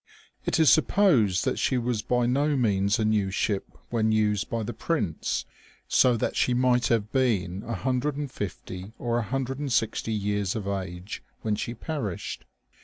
It is supposed that she was by no means a new ship when used by the Prince, so that she might have been a hundred and fifty or a hundred and sixty years of age when she perished.